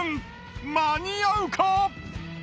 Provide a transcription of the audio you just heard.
間に合うか？